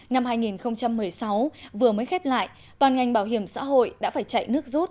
năm hai nghìn một mươi sáu vừa mới khép lại toàn ngành bảo hiểm xã hội đã phải chạy nước rút